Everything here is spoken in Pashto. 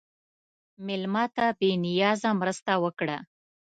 مېلمه ته بې نیازه مرسته وکړه.